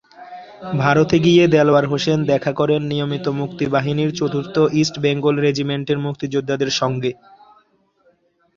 ভারতে গিয়ে দেলোয়ার হোসেন দেখা করেন নিয়মিত মুক্তিবাহিনীর চতুর্থ ইস্ট বেঙ্গল রেজিমেন্টের মুক্তিযোদ্ধাদের সঙ্গে।